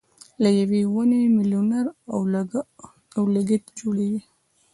له یوې ونې مېلیونه اورلګیت جوړېږي.